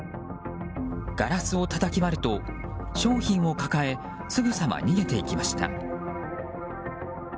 ガラスをたたき割ると商品を抱えすぐさま逃げていきました。